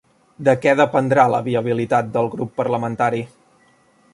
De què dependrà la viabilitat del grup parlamentari?